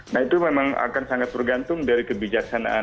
nah itu memang akan sangat bergantung dari kebijaksanaan